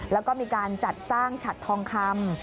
แล้วก็มีการจัดสร้างฉัดทองคำ